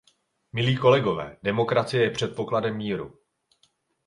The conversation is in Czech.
Milí kolegové, demokracie je předpokladem míru.